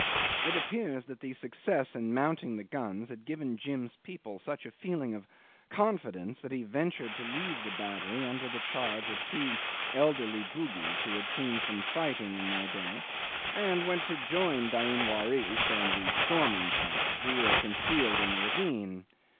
It appears that the success in mounting the guns had given Jim's people such a feeling of confidence that he ventured to leave the battery under charge of two elderly Bugis who had seen some fighting in their day, and went to join Dain Waris and the storming party who were concealed in the ravine.